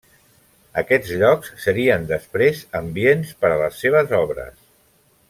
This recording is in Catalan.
Aquests llocs serien després ambients per a les seves obres.